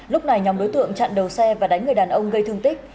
lúc này nhóm đối tượng chặn đầu xe và đánh người đàn ông gây thương tích